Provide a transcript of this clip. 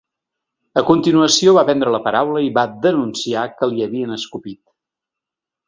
A continuació va prendre la paraula i va denunciar que li havien escopit.